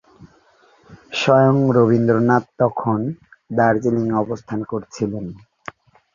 স্বয়ং রবীন্দ্রনাথ তখন দার্জিলিং অবস্থান করছিলেন।